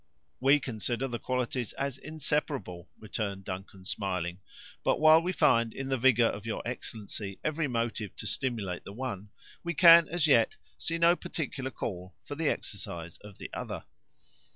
"We consider the qualities as inseparable," returned Duncan, smiling; "but while we find in the vigor of your excellency every motive to stimulate the one, we can, as yet, see no particular call for the exercise of the other."